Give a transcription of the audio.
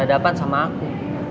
mama yang salah tau